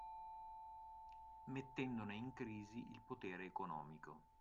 Mettendone in crisi il potere economico